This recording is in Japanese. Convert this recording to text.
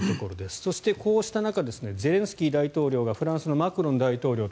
そして、こうした中ゼレンスキー大統領がフランスのマクロン大統領と